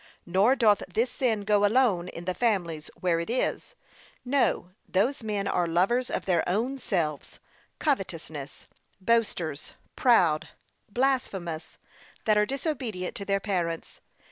Nor doth this sin go alone in the families where it is; no, those men are lovers of their ownselves; covetous, boasters, proud, blasphemous, that are disobedient to their parents.